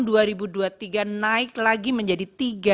dua ribu dua puluh tiga naik lagi menjadi tiga